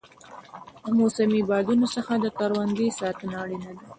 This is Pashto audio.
د موسمي بادونو څخه د کروندې ساتنه اړینه ده.